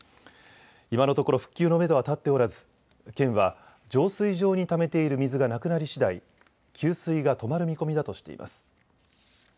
今のところ復旧のめどは立っておらず、県は浄水場にためている水がなくなりしだい給水が止まる見込みだとしています。